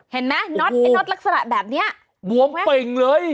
เห็นมั้ยน็อตลักษณะแบบนี้ววมเป่งเลย